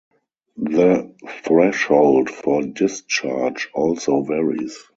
The threshold for discharge also varies.